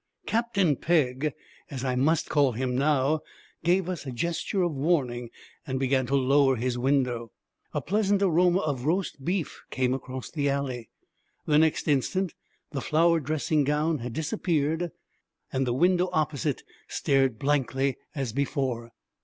Captain Pegg, as I must now call him, gave us a gesture of warning and began to lower his window. A pleasant aroma of roast beef came across the alley. The next instant the flowered dressing gown had disappeared and the window opposite stared blankly as before.